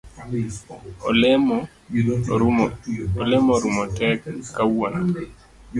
Olemo orumo tee kawuono.